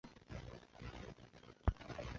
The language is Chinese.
中共七大正式代表。